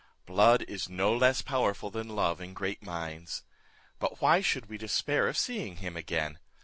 Blood is no less powerful than love in great minds; but why should we despair of seeing him again?